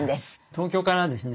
東京からですね